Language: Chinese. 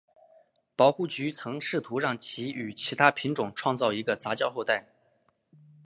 保护局曾试图让其与其它品种创造一个杂交后代。